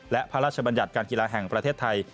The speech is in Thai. และพระราชบัญญัติการกีฬาแห่งประเทศไทย